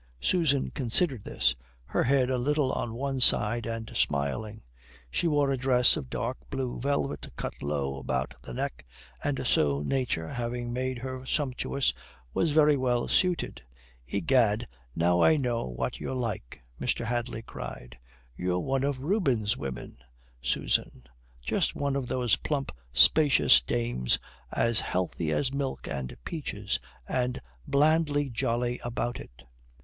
Susan considered this, her head a little on one side and smiling. She wore a dress of dark blue velvet cut low about the neck, and so, nature having made her sumptuous, was very well suited. "Egad, now I know what you're like," Mr. Hadley cried. "You're one of Rubens' women, Susan; just one of those plump, spacious dames as healthy as milk and peaches, and blandly jolly about it."